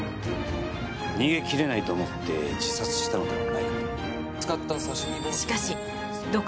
逃げ切れないと思って自殺したのではないかと。